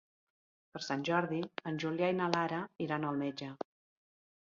Per Sant Jordi en Julià i na Lara iran al metge.